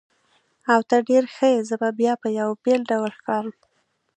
اوه، ته ډېر ښه یې، زه به بیا په یوه بېل ډول ښکارم.